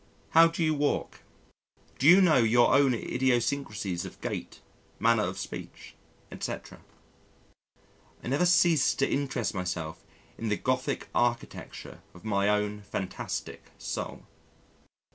How do you walk? Do you know your own idiosyncrasies of gait, manner of speech, etc.? I never cease to interest myself in the Gothic architecture of my own fantastic soul.